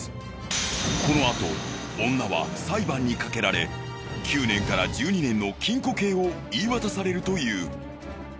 このあと女は裁判にかけられ９年から１２年の禁錮刑を言い渡されるという。